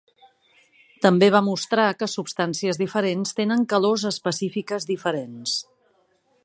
També va mostrar que substàncies diferents tenen calors específiques diferents.